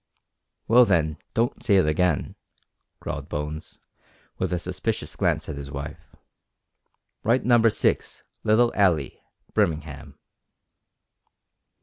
"Well, then, don't say it again," growled Bones, with a suspicious glance at his wife; "write number 6 Little Alley, Birmingham."